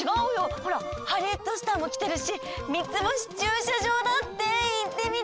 ほらハリウッドスターもきてるし三ツ星駐車場だって。